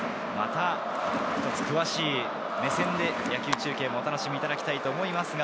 詳しい目線で野球中継をお楽しみいただきたいと思います。